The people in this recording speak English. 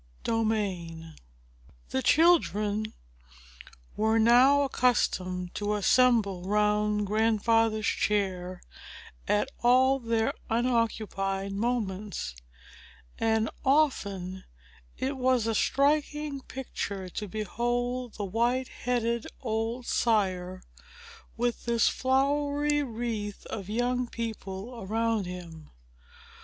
Chapter IX The children were now accustomed to assemble round Grandfather's chair, at all their unoccupied moments; and often it was a striking picture to behold the white headed old sire, with this flowery wreath of young people around him.